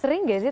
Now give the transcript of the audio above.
sering gak sih